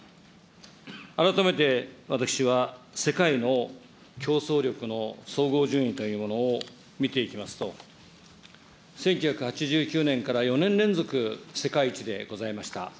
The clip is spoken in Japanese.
改めて私は、世界の競争力の総合順位というものを見ていきますと、１９８９年から４年連続世界一でございました。